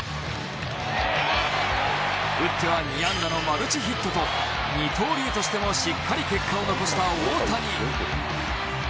打っては２安打のマルチヒットと二刀流としてもしっかり結果を残した大谷。